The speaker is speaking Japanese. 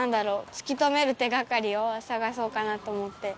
突き止める手がかりを探そうかなと思って。